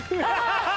ハハハ！